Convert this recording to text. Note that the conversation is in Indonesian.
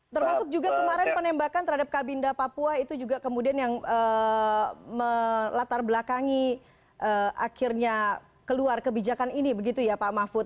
termasuk juga kemarin penembakan terhadap kabinda papua itu juga kemudian yang melatar belakangi akhirnya keluar kebijakan ini begitu ya pak mahfud